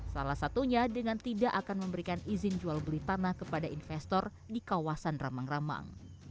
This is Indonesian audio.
salah satunya dengan tidak akan memberikan izin jual beli tanah kepada investor di kawasan ramang ramang